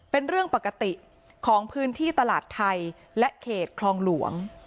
เป็นเรื่องปกติของพื้นที่ตลาดไทยและเขตคลองหลวง